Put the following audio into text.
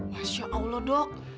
masya allah dok